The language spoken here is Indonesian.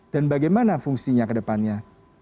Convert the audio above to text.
dan bagaimana fungsinya ke depannya